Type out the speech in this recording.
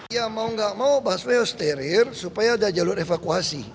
ya mau nggak mau busway steril supaya ada jalur evakuasi